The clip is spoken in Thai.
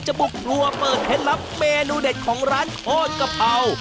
บุกครัวเปิดเคล็ดลับเมนูเด็ดของร้านโคตรกะเพรา